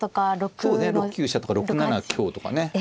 そうですね６九飛車とか６七香とかね。